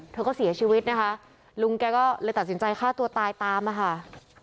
เธอก็เสียชีวิตนะคะลุงแกก็เลยตัดสินใจฆ่าตัวตายตามอะค่ะ